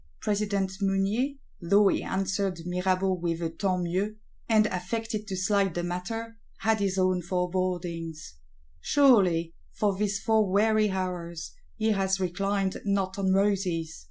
President Mounier, though he answered Mirabeau with a tant mieux, and affected to slight the matter, had his own forebodings. Surely, for these four weary hours, he has reclined not on roses!